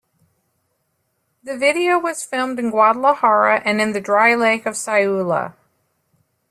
The video was filmed in Guadalajara and in the dry lake of Sayula.